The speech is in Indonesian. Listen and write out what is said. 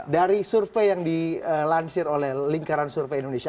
dari survei yang dilansir oleh lingkaran survei indonesia